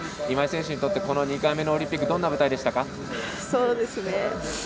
今井選手にとってこの２回目のオリンピックどんな舞台でしたか？